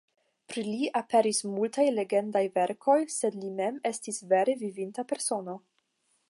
Pri li aperis multaj legendaj verkoj, sed li mem estis vere vivinta persono.